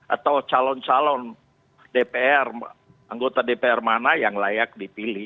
atau calon calon dpr anggota dpr mana yang layak dipilih